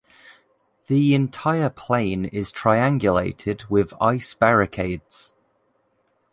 The entire plain is triangulated with ice-barricades.